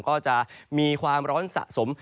ก็จะมีความร้อนสะสม